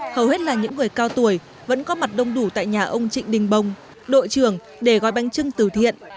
hầu hết là những người cao tuổi vẫn có mặt đông đủ tại nhà ông trịnh đình bồng đội trưởng để gói bánh trưng từ thiện